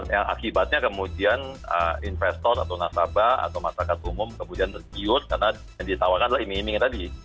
yang akibatnya kemudian investor atau nasabah atau masyarakat umum kemudian tergiur karena yang ditawarkan adalah ini iming tadi